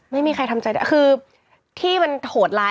ไม่มีใครทำใจได้คือที่มันโหดร้าย